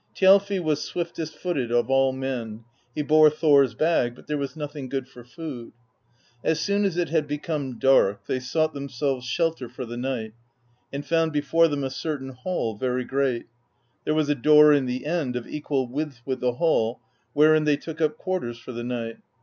Thjalfi was swiftest footed of all men; he bore Thor's bag, but there was nothing good for food. As soon as it had become dark, they sought them selves shelter for the night, and found before them a cer tain hall, very great: there was a door in the end, of equal width with the hall, wherein they took up quarters for the night.